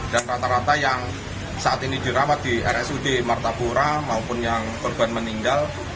dan rata rata yang saat ini dirawat di rsud mata pura maupun yang korban meninggal